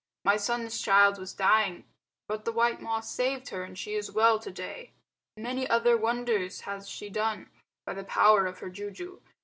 My son's child was dying, but the white Ma saved her and she is well to day. Many other wonders has she done by the power of her juju.